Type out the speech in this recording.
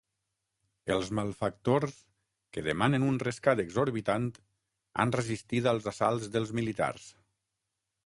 Els malfactors, que demanen un rescat exorbitant, han resistit als assalts dels militars.